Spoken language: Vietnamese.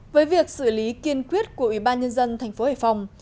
với việc xử lý kiên quyết của ủy ban nhân dân tp hải phòng